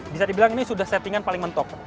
bisa dibilang ini sudah settingan paling mentok